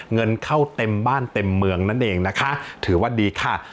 เงินเข้าเต็มบ้านเต็มเมืองนั่นเองนะคะถือว่าดีค่ะ